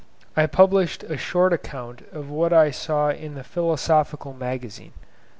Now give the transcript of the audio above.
I published a short account of what I saw in the 'Philosophical Magazine.